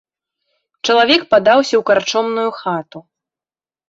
Чалавек падаўся ў карчомную хату.